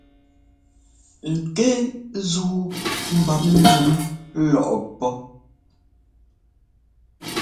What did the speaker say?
Ŋkɛ́ zúu mbap ndúm lɔʼpɔ́.